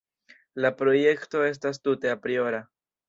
La projekto estas tute apriora.